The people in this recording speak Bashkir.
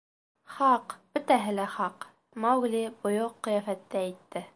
— Хаҡ, бөтәһе лә хаҡ, — Маугли бойоҡ ҡиәфәттә әйтте.